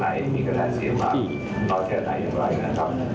ตอนไหนมีขนาดเศรษฐ์มากต่อแถวไหนอย่างไรนะครับ